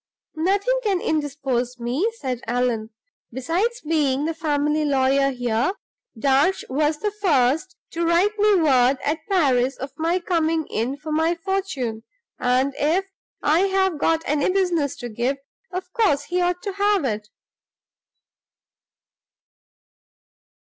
"Nothing can indispose me," said Allan. "Besides being the family lawyer here, Darch was the first to write me word at Paris of my coming in for my fortune; and, if I have got any business to give, of course he ought to have it."